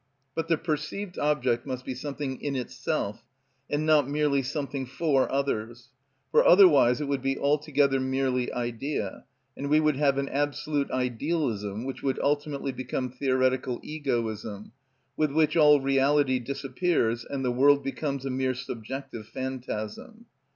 But the perceived object must be something in itself, and not merely something for others. For otherwise it would be altogether merely idea, and we would have an absolute idealism, which would ultimately become theoretical egoism, with which all reality disappears and the world becomes a mere subjective phantasm.